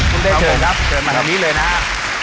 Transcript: คุณเต้เจอครับเจอมาตรงนี้เลยนะฮะ